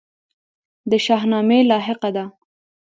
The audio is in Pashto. د شاهنامې لاحقه ده.